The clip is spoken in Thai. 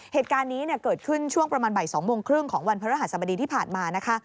เหตุการณ์นี้เกิดขึ้นช่วงประมาณบ่าย๒โมงครึ่งของวันพระรหัสบดีที่ผ่านมา